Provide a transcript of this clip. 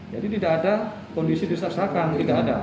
jadi tidak ada kondisi disaksikan tidak ada